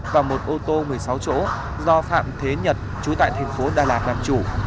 và một ô tô một mươi sáu chỗ do phạm thế nhật chú tại thành phố đà lạt làm chủ